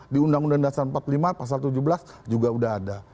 di undang undang dasar empat puluh lima pasal tujuh belas juga sudah ada